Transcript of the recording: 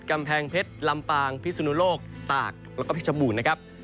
กำแพงเพชรลำปางพิสุนุโลกตากแล้วก็พิชบูรณ์นะครับ